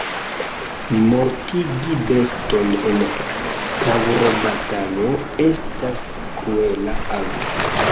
Mortigi beston en taŭrobatalo estas kruela ago.